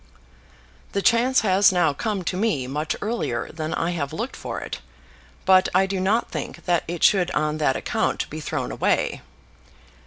The chance has now come to me much earlier than I have looked for it, but I do not think that it should on that account be thrown away.